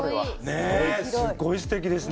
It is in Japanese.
ねえすごいすてきですね。